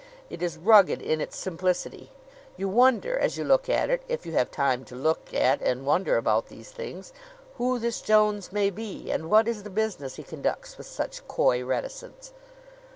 It is rugged in its simplicity. You wonder, as you look at it if you have time to look at and wonder about these things who this Jones may be; and what is the business he conducts with such coy reticence.